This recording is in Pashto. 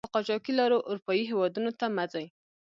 په قاچاقي لارو آروپایي هېودونو ته مه ځئ!